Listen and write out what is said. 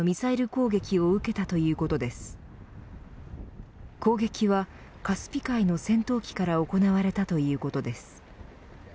攻撃はカスピ海の戦闘機から行われたということです。